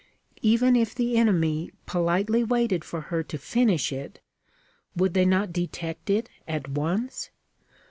Even if the enemy politely waited for her to finish it, would they not detect it at once?